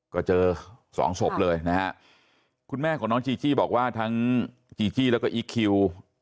ก็เจอสองศพเลยนะฮะคุณแม่ของน้องจีจี้บอกว่าทั้งจีจี้แล้วก็อีคคิว